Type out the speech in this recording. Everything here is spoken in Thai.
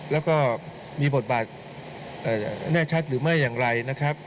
แล้วก็มีบทบาทแน่ชัดหรือไม่อย่างไรนะครับ